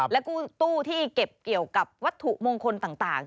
และตู้ที่เก็บเกี่ยวกับวัตถุมงคลต่าง